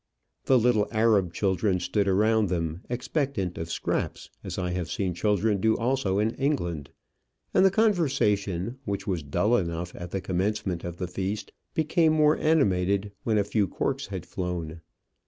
The little Arab children stood around them, expectant of scraps, as I have seen children do also in England; and the conversation, which was dull enough at the commencement of the feast, became more animated when a few corks had flown.